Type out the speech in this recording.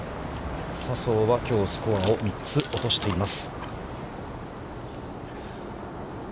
笹生はきょうスコアを３つ落としています。